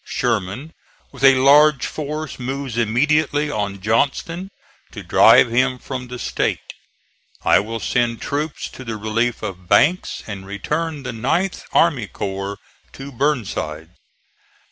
Sherman, with a large force, moves immediately on Johnston, to drive him from the State. I will send troops to the relief of Banks, and return the 9th army corps to Burnside."